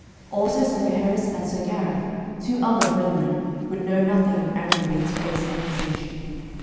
Also Sir Gaheris and Sir Gareth, two other brethren, would know nothing of Agravaine's base accusation.